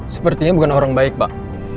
sepertinya bukan orang baik pak